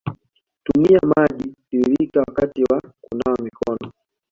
tumia maji tiririka wakati wa kunawa mikono